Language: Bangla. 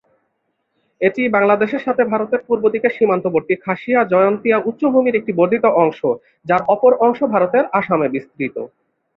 এটি বাংলাদেশের সাথে ভারতের পূর্ব দিকের সীমান্তবর্তী খাসিয়া-জয়ন্তীয়া উচ্চভূমির একটি বর্ধিত অংশ যার অপর অংশ ভারতের আসামে বিস্তৃত।